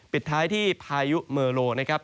ปิดท้ายที่พายุเมอร์โลนะครับ